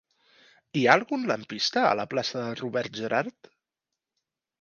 Hi ha algun lampista a la plaça de Robert Gerhard?